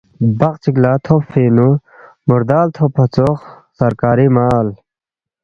بقچی لا تھوب فینگنو ،مُردال تھوب فہ ژوخ سرکاری مال